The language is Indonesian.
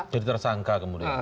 jadi tersangka kemudian